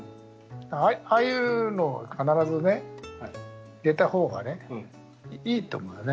ああいうのを必ずね出た方がねいいと思うよね。